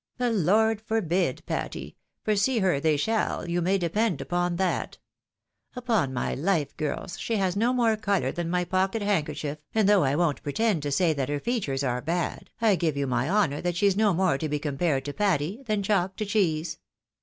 " The Lord forbid, Patty ! for see her they shall, you may depend upon that. Upon my life, girls, she has no more colour than my pocket handkercliief, and though I won't pretend to say that her features are bad, I give you my honour that she's no more to be compared to Patty, than chalk to cheese.